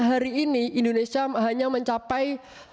hari ini indonesia hanya mencapai